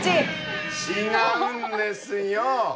違うんですよ。